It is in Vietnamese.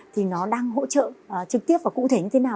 thì nó đang hỗ trợ trực tiếp và cụ thể như thế nào